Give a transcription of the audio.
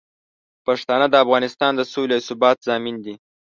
پښتانه د افغانستان د سولې او ثبات ضامن دي.